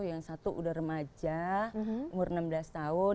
yang satu udah remaja umur enam belas tahun